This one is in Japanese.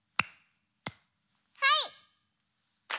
はい！